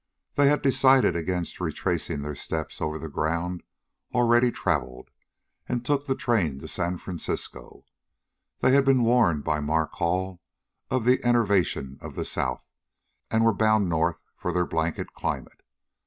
They had decided against retracing their steps over the ground already traveled, and took the train to San Francisco. They had been warned by Mark Hall of the enervation of the south, and were bound north for their blanket climate.